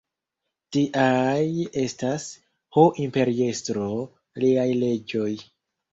Tiaj estas, ho imperiestro, liaj leĝoj.